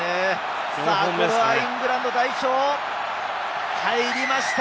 これはイングランド代表、入りました！